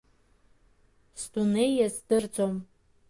Сдунеи иаздырӡом…